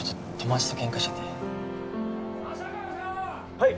はい。